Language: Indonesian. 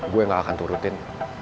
gue gak akan turutin